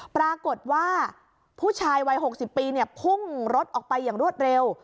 ปรากฏว่าผู้ชายวัย๖๐ปีพุ่งรถออกไปอย่างรวดเร็ว